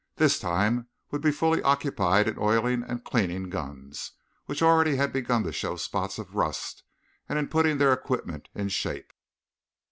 This time would be fully occupied in oiling and cleaning guns, which already had begun to show spots of rust, and in putting their equipment in shape.